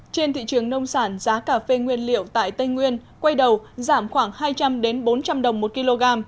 trên thị trường nông sản giá cà phê nguyên liệu tại tây nguyên quay đầu giảm khoảng hai trăm linh bốn trăm linh đồng một kg